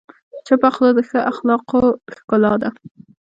چپه خوله، د ښه اخلاقو ښکلا ده.